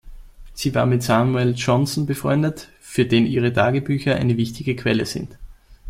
Sie war mit Samuel Johnson befreundet, für den ihre Tagebücher eine wichtige Quelle sind.